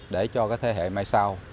để cho thế hệ mai sau